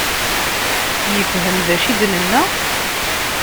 Yefhem d acu i d-nenna?